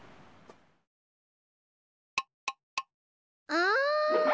あ！